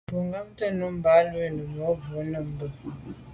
Bo ghamt’é nummb’a lo ghù numebwô num bo.